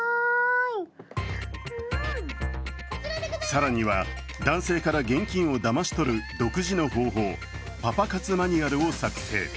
更には、男性から現金をだまし取る独自の方法、パパ活マニュアルを作成。